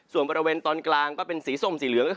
ส่วนบริเวณตอนกลางก็เป็นสีส้มสีเหลืองก็คือ